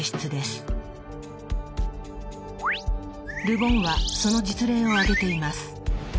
ル・ボンはその実例を挙げています。